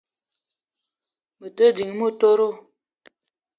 Me te ding motoro